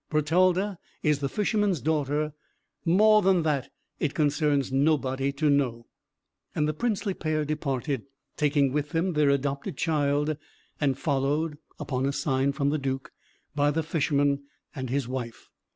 Bertalda is the Fisherman's daughter; more than that, it concerns nobody to know." And the princely pair departed, taking with them their adopted child, and followed (upon a sign from the Duke) by the Fisherman and his wife.